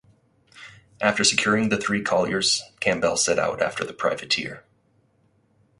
After securing the three colliers Campbell set out after the privateer.